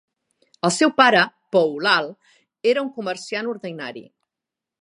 El seu pare, Pohu Lal, era un comerciant ordinari.